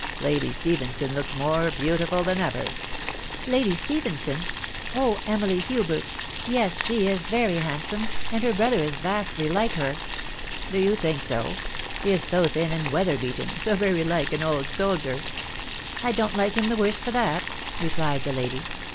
Lady Stephenson looked •more beautiful than ever." " Lady Stephenson ?.... Oh ! Emily Hubert .... Yes, she is very handsome ; and her brother is vastly like her." " Do you think so ?.... He is so thin and weather beaten .... so very like an old soldier." k( I don't like him the worse for that," replied the lady.